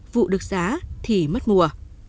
vụ được giá thì mất mùa